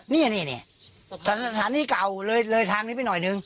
ตรงไหนครับสถานีเก่าเลยทางนี้ไปหน่อยหนึ่ง